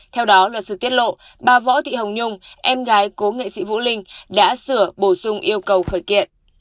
theo đó luật sư tiết lộ bà võ thị hồng nhung em gái cố nghệ sĩ vũ linh đã sửa bổ sung yêu cầu khởi kiện